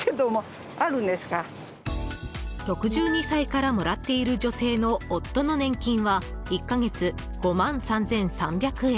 ６２歳からもらっている女性の夫の年金は１か月５万３３００円。